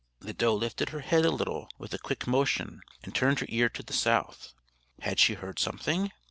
The doe lifted her head a little with a quick motion, and turned her ear to the south. Had she heard something?